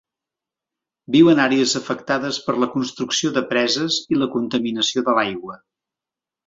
Viu en àrees afectades per la construcció de preses i la contaminació de l'aigua.